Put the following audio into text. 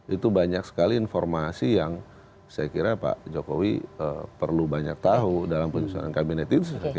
itu banyak sekali informasi yang saya kira pak jokowi perlu banyak tahu dalam penyusunan kabinet itu